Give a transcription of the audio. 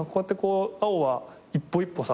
碧は一歩一歩さ。